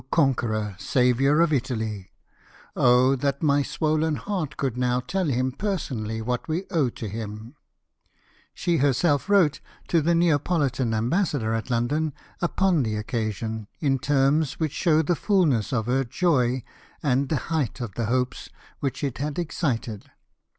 conqueror — saviour of Italy ! Oh that my swollen heart could now tell him personally what we owe to him !'" She herself wrote to the Neapolitan ambassador at London upon the occasion in terms which show the fulness of her joy 160 LIFE OF NELSON. and the height of the hopes which it had excited.